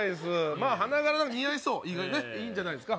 まあ花柄が似合いそう意外にねいいんじゃないですか